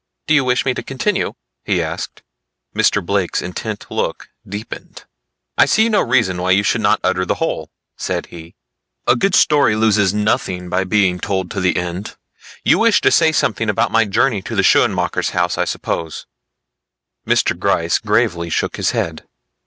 "Do you wish me to continue?" he asked. Mr. Blake's intent look deepened. "I see no reason why you should not utter the whole," said he. "A good story loses nothing by being told to the end. You wish to say something about my journey to Schoenmaker's house, I suppose." Mr. Gryce gravely shook his head.